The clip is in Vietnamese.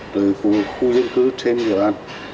rồi khu diễn cư trên địa bàn